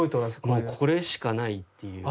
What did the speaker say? もうこれしかないっていう。